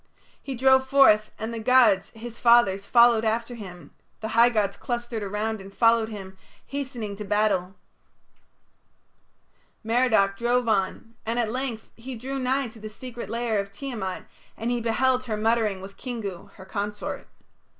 He drove forth, and the gods, his fathers, followed after him: the high gods clustered around and followed him, hastening to battle. Merodach drove on, and at length he drew nigh to the secret lair of Tiamat, and he beheld her muttering with Kingu, her consort.